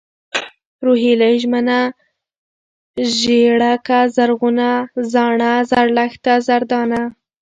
روهيلۍ ، ژمنه ، ژېړکه ، زرغونه ، زاڼه ، زرلښته ، زردانه